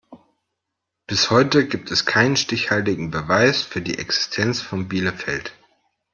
Bis heute gibt es keinen stichhaltigen Beweis für die Existenz von Bielefeld.